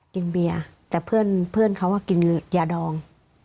กินเบียร์แต่เพื่อนเขากินเหล้ายาดอง